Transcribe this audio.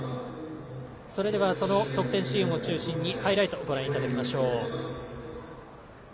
それでは得点シーンを中心にハイライトご覧いただきましょう。